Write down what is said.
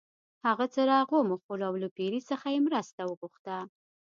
هغه څراغ وموښلو او له پیري څخه یې مرسته وغوښته.